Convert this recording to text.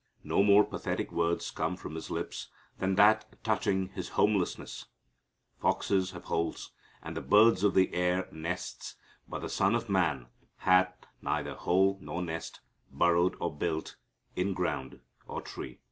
No more pathetic word comes from His lips than that touching His homelessness foxes have holes, and the birds of the air nests, but the Son of Man hath neither hole nor nest, burrowed or built, in ground or tree.